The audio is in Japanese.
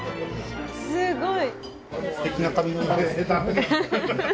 すごい。